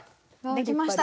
できました！